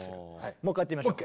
もう一回やってみましょう。